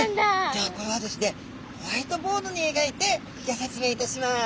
じゃあこれはですねホワイトボードにえがいてギョ説明いたします。